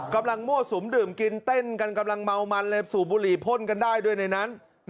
มั่วสุมดื่มกินเต้นกันกำลังเมามันเลยสูบบุหรี่พ่นกันได้ด้วยในนั้น